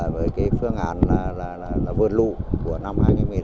với phương án vượt lũ của năm hai nghìn một mươi sáu